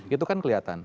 itu kan kelihatan